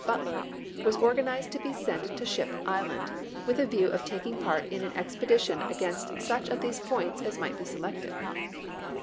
Butler, was organized to be sent to Ship Island, with a view of taking part in an expedition against such of these points as might be selected.